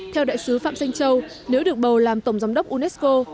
theo đại sứ phạm danh châu nếu được bầu làm tổng giám đốc unesco